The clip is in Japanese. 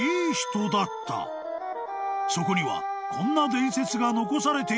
［そこにはこんな伝説が残されているという］